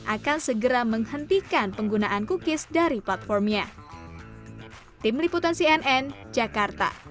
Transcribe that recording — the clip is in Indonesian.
akan segera menghentikan penggunaan cookies dari platformnya